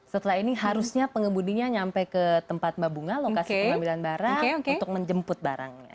setelah ini harusnya pengemudinya sampai ke tempat mbak bunga lokasi pengambilan barang untuk menjemput barangnya